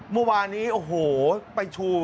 เมื่อวานนี้โอ้โหไปชู